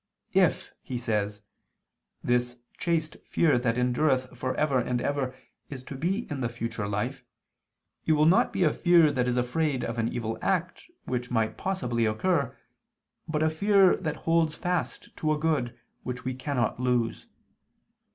"If," he says, "this chaste fear that endureth for ever and ever is to be in the future life, it will not be a fear that is afraid of an evil which might possibly occur, but a fear that holds fast to a good which we cannot lose.